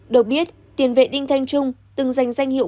được biết tiền vệ đinh thanh trung từng giành danh hiệu